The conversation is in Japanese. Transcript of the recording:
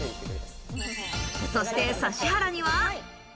そして指原には。